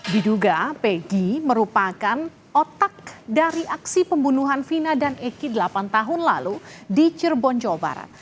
diduga pegi merupakan otak dari aksi pembunuhan vina dan eki delapan tahun lalu di cirebon jawa barat